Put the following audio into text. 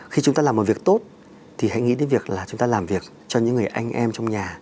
khi chúng ta làm một việc tốt thì hãy nghĩ đến việc là chúng ta làm việc cho những người anh em trong nhà